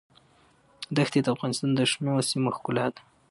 دښتې د افغانستان د شنو سیمو ښکلا ده.